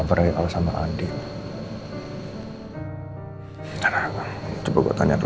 saya ingin anda menangani kasus saya dengan kebahagiaan anda